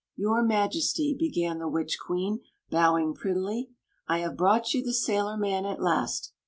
"Your Majesty," began the witch queen, bowing prettily, " I have brought you the sailorman at last.